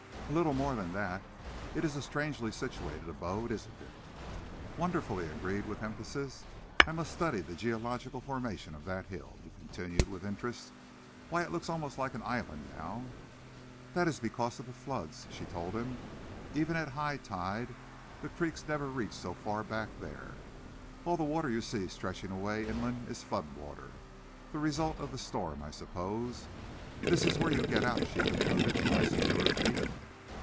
"A little more than that. It is a strangely situated abode, isn't it?" "Wonderful!" he agreed, with emphasis. "I must study the geological formation of that hill," he continued, with interest. "Why, it looks almost like an island now." "That is because of the floods," she told him. "Even at high tide the creeks never reach so far as the back there. All the water you see stretching away inland is flood water the result of the storm, I suppose. This is where you get out," she concluded, rising to her feet.